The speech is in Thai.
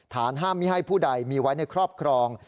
ห้ามไม่ให้ผู้ใดมีไว้ในครอบครอง